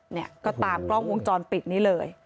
เนี่ยก็ตามกล้องวงจรปิดนี้เลย